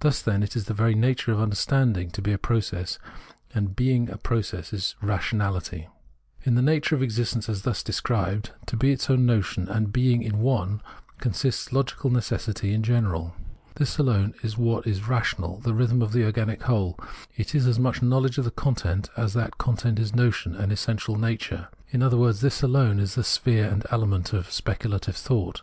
Thus, then, it is the very nature of understanding to be a process, and being a process it is Rationahty. In the nature of existence as thus described — to be its own notion and being in one — consists logical necessity in general. This alone is what is rational, the rhythm of the organic whole : it is as much know ledge of content as that content is notion and essential nature. In other words, this alone is the sphere and element of speculative thought.